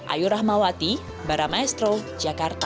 ayurahmawati baramaestro jakarta